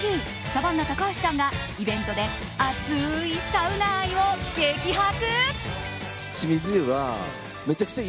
サバンナ高橋さんがイベントで熱いサウナ愛を激白。